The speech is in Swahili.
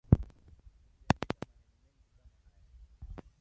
Sijaandika maneno mengi kama haya